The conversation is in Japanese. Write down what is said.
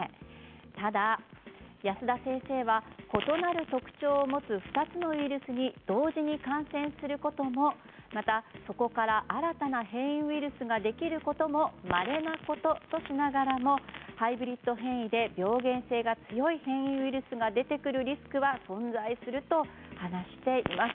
ただ、保田先生は異なる特徴を持つ２つのウイルスに同時に感染することもまたそこから新たな変異ウイルスができることもまれなこととしながらもハイブリッド変異で病原性が強い変異ウイルスが出てくるリスクは存在すると話しています。